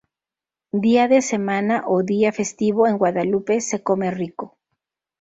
Dia de semana o día festivo en Guadalupe se come rico.